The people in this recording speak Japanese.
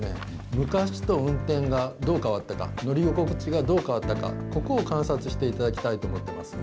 昔と運転がどう変わったか乗り心地がどう変わったかここを観察していただきたいと思うんです。